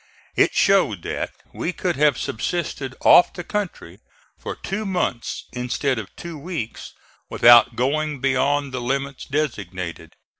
It showed that we could have subsisted off the country for two months instead of two weeks without going beyond the limits designated.